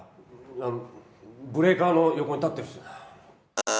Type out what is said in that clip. あのブレーカーの横に立ってる人だよ。